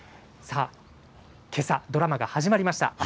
さあ、けさ、ドラマが始まりました。